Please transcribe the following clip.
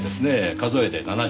数えで７０。